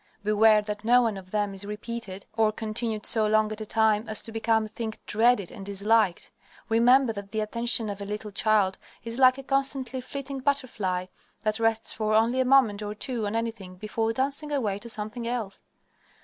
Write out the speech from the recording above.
Beware that no one of them is repeated or continued so long at a time as to become a thing dreaded and disliked. Remember that the attention of a little child is like a constantly flitting butterfly that rests for only a moment or two on anything before dancing away to something else.